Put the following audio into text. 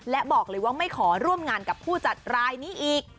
และบอกเลยว่าไม่ขอร่วมงานกับผู้จัดรายนี้อีก